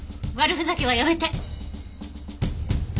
悪ふざけはやめて。